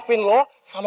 gak ada gara lu